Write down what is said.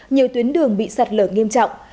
nhiều tuyến đường bị sạt lở nghiêm trọng